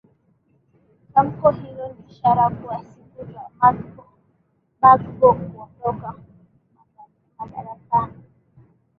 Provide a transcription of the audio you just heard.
tamko hilo ni ishara kuwa siku za bagbo kuondoka madarakani